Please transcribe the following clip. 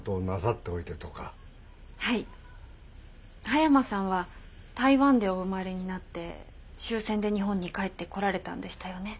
葉山さんは台湾でお生まれになって終戦で日本に帰ってこられたんでしたよね。